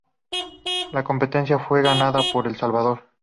La competencia fue ganada por El Salvador.